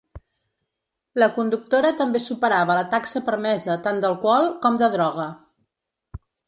La conductora també superava la taxa permesa tant d’alcohol com de droga.